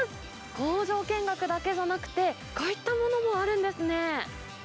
工場見学だけじゃなくて、こういったものもあるんですね。